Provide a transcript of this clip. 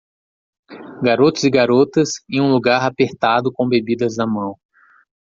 Garotos e garotas em um lugar apertado com bebidas na mão.